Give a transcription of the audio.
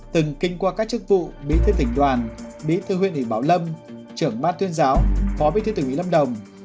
từng kinh qua các chức vụ bí thư tỉnh đoàn bí thư huyện ủy bảo lâm trưởng bát tuyên giáo phó bí thư tỉnh hủy lâm đồng